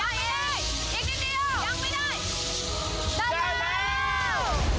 ยังไม่ได้